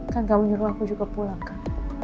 kan tahu nyuruh aku juga pulang kan